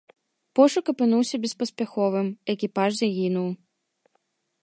Пошук апынуўся беспаспяховым, экіпаж загінуў.